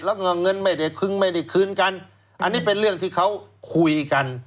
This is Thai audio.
แล้วก็เงินไม่ได้คึงไม่ได้คืนกันอันนี้เป็นเรื่องที่เขาคุยกัน